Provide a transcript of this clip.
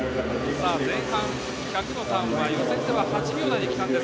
前半１００のターンは予選では８秒台でした。